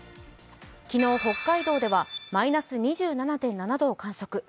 昨日北海道ではマイナス２７．７度を観測。